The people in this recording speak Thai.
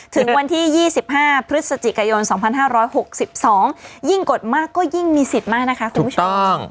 ถึงวันที่๒๕พฤศจิกายน๒๕๖๒ยิ่งกดมากก็ยิ่งมีสิทธิ์มากนะคะคุณผู้ชม